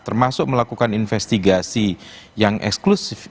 termasuk melakukan investigasi yang eksklusif